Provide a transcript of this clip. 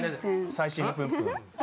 最新のプンプン。